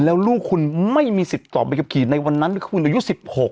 แล้วลูกคุณไม่มีสิทธิ์ตอบบางอย่างกับขีดในวันนั้นที่คุณอายุสิบหก